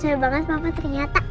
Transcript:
serius banget papa ternyata